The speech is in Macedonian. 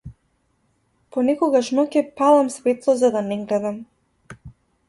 Понекогаш ноќе палам светло за да не гледам.